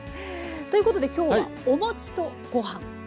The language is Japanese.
ということで今日はお餅とご飯ですね？